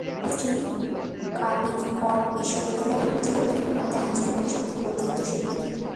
কলেজটি কালিকট বিশ্ববিদ্যালয়ের অধিভুক্ত এবং ভারতের আইনজীবী পরিষদ কর্তৃক স্বীকৃত।